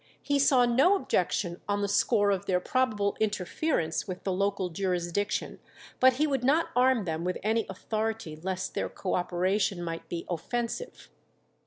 He saw no objection on the score of their probable interference with the local jurisdiction, but he would not arm them with any authority lest their co operation might be offensive.